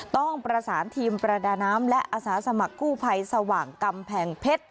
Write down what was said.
ต้องประสานทีมประดาน้ำและอาสาสมัครกู้ภัยสว่างกำแพงเพชร